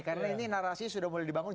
karena ini narasinya sudah mulai dibangun